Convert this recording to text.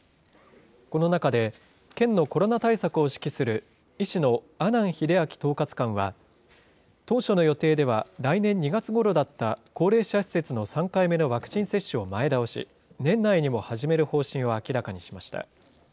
この中で、県のコロナ対策を指揮する医師の阿南英明統括官は、当初の予定では、来年２月ごろだった高齢者施設の３回目のワクチン接種を前倒し、年内にも始める方針を明らかにしました。